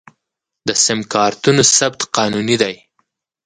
د سم کارتونو ثبت قانوني دی؟